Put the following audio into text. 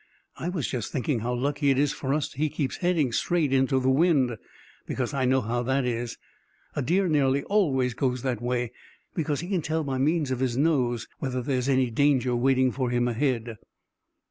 "I was just thinking how lucky it is for us he keeps heading straight into the wind. But I know how that is. A deer nearly always goes that way, because he can tell by means of his nose whether there's any danger waiting for him ahead."